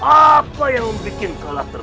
apa yang membuatkan kalah teruk